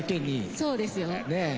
そうですよ。ねえ。